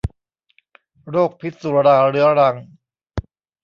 โรคพิษสุราเรื้อรัง